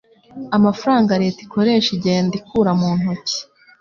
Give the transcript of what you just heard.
Amafaranga leta ikoresha igenda ikura mu ntoki.